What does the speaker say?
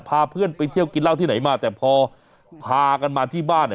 พาเพื่อนไปเที่ยวกินเหล้าที่ไหนมาแต่พอพากันมาที่บ้าน